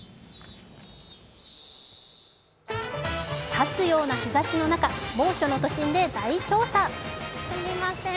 刺すような日ざしの中猛暑の都心で大調査。